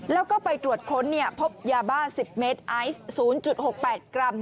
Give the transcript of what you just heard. แล้วก็ไปตรวจค้นพบยาบ้า๑๐เมตรไอซ์๐๖๘กรัม